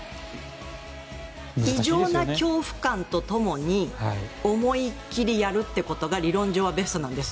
異常な恐怖感とともに思い切りやるということが理論上はベストなんです。